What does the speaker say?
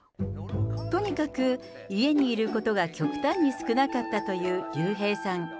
とにかく家にいることが極端に少なかったという竜兵さん。